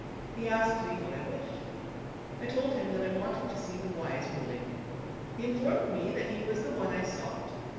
He asked me what I wished. I told him that I wanted to see the wise Muley. He informed me that he was the one I sought.